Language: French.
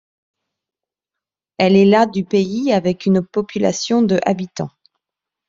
Elle est la du pays avec une population de habitants.